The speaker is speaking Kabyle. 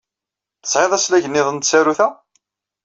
Tesɛiḍ aslag niḍen n tsarut-a?